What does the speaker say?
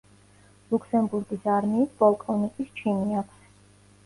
ლუქსემბურგის არმიის პოლკოვნიკის ჩინი აქვს.